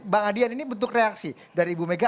bang adian ini bentuk reaksi dari ibu mega